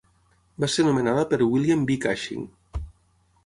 Va ser nomenada per William B. Cushing.